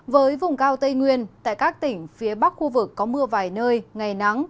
với vùng cao tây nguyên tại các tỉnh phía bắc khu vực có mưa vài nơi ngày nắng